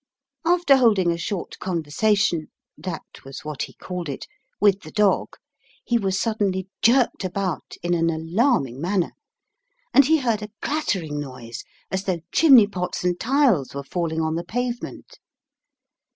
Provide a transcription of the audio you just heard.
After holding a short conversation (that was what he called it) with the dog, he was suddenly jerked about in an alarming manner, and he heard a clattering noise as though chimney pots and tiles were falling on the pavement.